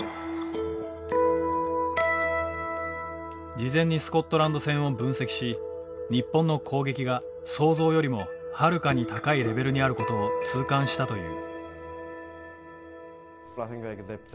事前にスコットランド戦を分析し日本の攻撃が想像よりもはるかに高いレベルにあることを痛感したという。